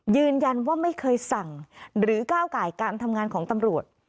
ยืนยันว่าไม่เคยสั่งหรือก้าวก่ายการทำงานของตำรวจ